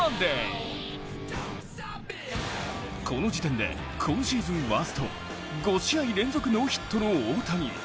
この時点で今シーズンワースト５試合連続ノーヒットの大谷。